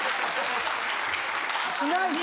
しないと。